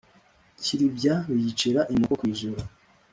kirabya bayicira imoko kw’ijuru;